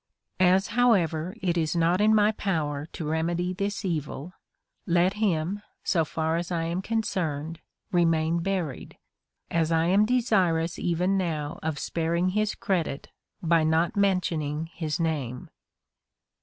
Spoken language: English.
^ As, however, it is not in my power to remedy this evil, let him, so far as I am concerned, remain buried, as I am desirous even now of sparing his credit by not mentioning his name.